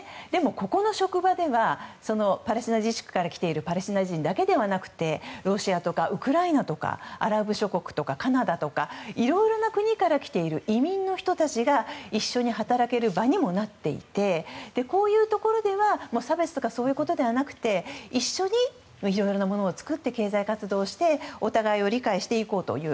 ここの職場ではパレスチナ自治区から来ているパレスチナ人だけでなくてロシアとかウクライナとかアラブ諸国とかカナダとかいろいろな国から来ている移民の人たちが一緒に働ける場にもなっていてこういうところでは差別とかそういうことではなくて一緒にいろいろなものを作って経済活動をしてお互いを理解していこうという。